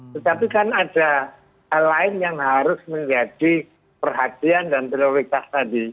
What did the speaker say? tetapi kan ada hal lain yang harus menjadi perhatian dan prioritas tadi